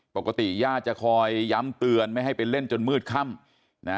ปกติย่าจะคอยย้ำเตือนไม่ให้ไปเล่นจนมืดค่ำนะ